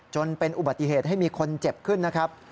จนเป็นอุบัติเหตุให้มีคนเจ็บขึ้นนะครับ